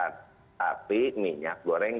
tapi minyak goreng